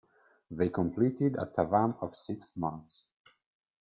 They completed a Tavam of six-months.